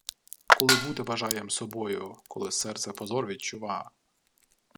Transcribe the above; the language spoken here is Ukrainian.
Коли бути бажаєм собою, Коли серце позор відчува!